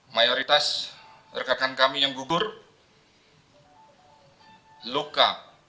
mayoritas rekan rekan kami yang gugur luka